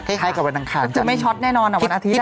คล้ายกับวันอังคารจะไม่ช็อตแน่นอนอ่ะวันอาทิตย